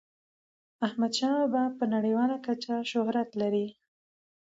احمد شاه بابا په نړیواله کچه شهرت لري.